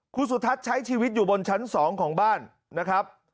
คุณสุทัศน์ใช้ชีวิตอยู่บนชั้น๒ของบ้านนะครับ